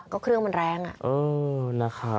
ก็เครื่องมันแรง